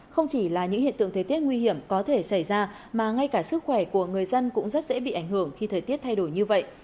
không chỉ là những hiện tượng thời tiết nguy hiểm có thể xảy ra mà ngay cả sức khỏe của người dân cũng rất dễ bị ảnh hưởng khi thời tiết thay đổi như vậy